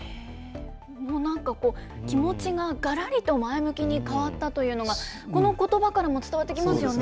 もうなんか、気持ちががらりと前向きに変わったというのが、このことばからも伝わってきますよね。